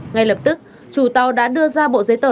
ngay lập tức chủ tàu đã đưa ra bộ giấy tờ